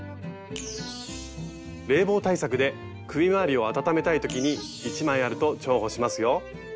冷房対策で首回りを温めたい時に１枚あると重宝しますよ。